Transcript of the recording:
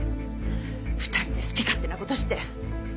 ２人で好き勝手な事して！